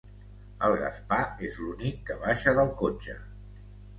El Gaspar és l'únic que baixa del cotxe.